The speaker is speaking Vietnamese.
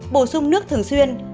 bổ sung nước thường xuyên